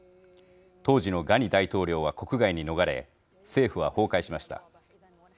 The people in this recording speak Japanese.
当時のガニ大統領は国外に逃れ政府は崩壊しました。